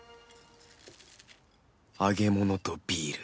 揚げ物とビール